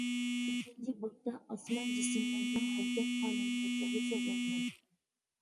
ئىككىنچى بابىدا ئاسمان جىسىملىرىنىڭ ھەرىكەت قانۇنىيەتلىرى سۆزلەنگەن.